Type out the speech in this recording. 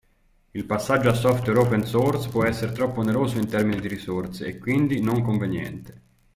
Il passaggio a software open source può essere troppo oneroso in termini di risorse, e quindi non conveniente.